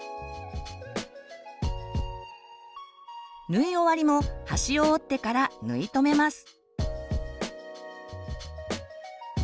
縫い終わりも端を折ってから縫い留めます。